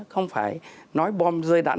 không phải nói bom rơi đạn nổ